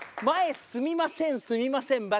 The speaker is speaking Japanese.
前すみませんすみません。